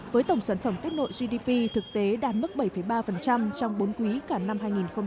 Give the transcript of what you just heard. với tổng sản phẩm kết nội gdp thực tế đạt mức bảy ba trong bốn quý cả năm hai nghìn hai mươi